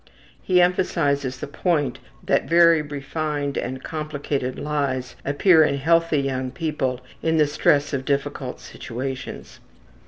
He emphasizes the point that very refined and complicated lies appear in healthy young people in the stress of difficult situations.